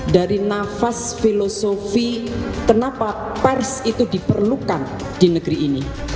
dari nafas filosofi kenapa pers itu diperlukan di negeri ini